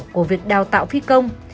của việc đào tạo phi công